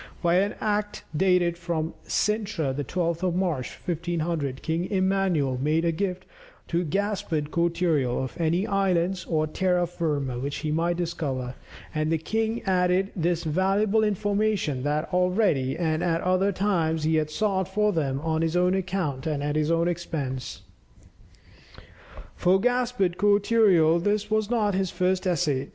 By an act dated from Cintra the 12th of March, 1500, King Emmanuel made a gift to Gaspard Cortereal of any islands or terra firma which he might discover, and the king added this valuable information, that "already and at other times he had sought for them on his own account and at his own expense." For Gaspard Cortereal this was not his first essay.